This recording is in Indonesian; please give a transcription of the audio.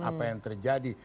apa yang terjadi